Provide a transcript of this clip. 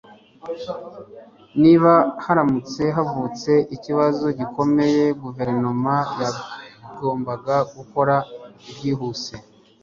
s] niba haramutse havutse ikibazo gikomeye, guverinoma yagombaga gukora byihuse